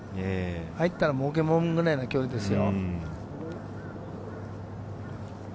入ったら儲けもんくらいの距離ですよ。